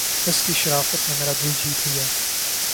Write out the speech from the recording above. اس کی شرافت نے میرا دل جیت لیا